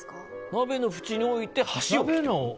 鍋の縁に置いて、箸置き？